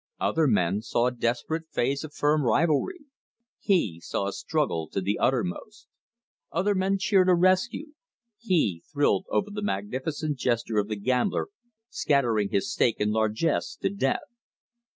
Other men saw a desperate phase of firm rivalry; he saw a struggle to the uttermost. Other men cheered a rescue: he thrilled over the magnificent gesture of the Gambler scattering his stake in largesse to Death.